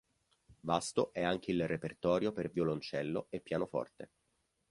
Vasto è anche il repertorio per violoncello e pianoforte.